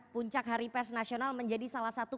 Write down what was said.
puncak hari pers nasional menjadi salah satu